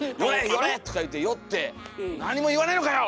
寄れ！」とか言って寄って「何も言わねえのかよ！」